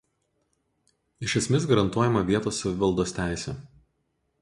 Iš esmės garantuojama vietos savivaldos teisė.